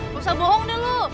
gak usah bohong deh lu